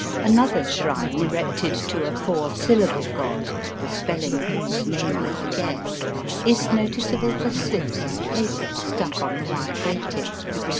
Another shrine erected to a four syllable god, the spelling of whose name I forget, is noticeable for slips of paper stuck on the wire grating.